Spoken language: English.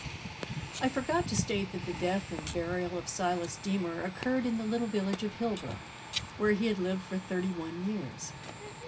I forgot to state that the death and burial of Silas Deemer occurred in the little village of Hillbrook , where he had lived for thirty one years.